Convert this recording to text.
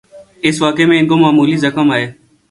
اس واقعے میں ان کو معمولی زخم آئے۔